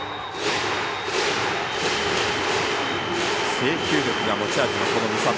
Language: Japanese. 制球力が持ち味の美里。